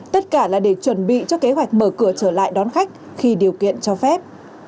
tất cả là để chuẩn bị cho kế hoạch mở cửa trở lại đón khách khi điều kiện cho phép